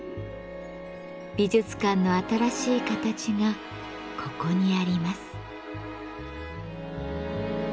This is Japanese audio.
美術館の新しい形がここにあります。